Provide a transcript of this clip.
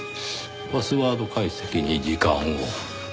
パスワード解析に時間を。